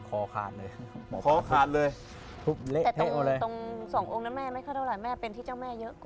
พอขาดเลยแต่ตรงสององค์นั้นแม่ไม่เข้าได้หรอกแม่เป็นที่เจ้าแม่เยอะกว่า